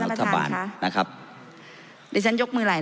ดิฉันยกมือหลายรอบแล้วท่านประธาน